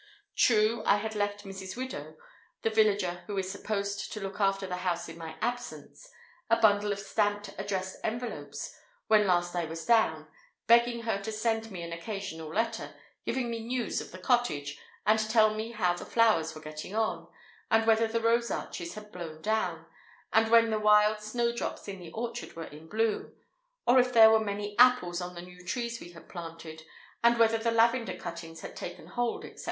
True, I had left Mrs. Widow (the villager who is supposed to look after the house in my absence) a bundle of stamped, addressed envelopes, when last I was down, begging her to send me an occasional letter, giving me news of the cottage, and telling me how the flowers were getting on, and whether the rose arches had blown down, and when the wild snowdrops in the orchard were in bloom, and if there were many apples on the new trees we had planted, and whether the lavender cuttings had taken hold, etc.